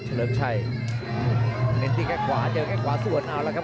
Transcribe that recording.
เฉลิมชัยเจอแค่ขวาส่วนเอาครับ